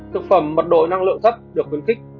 thực phẩm mật độ năng lượng thấp được quyền kích